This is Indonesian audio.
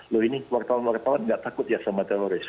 lo ini wartawan wartawan tidak takut ya sama teroris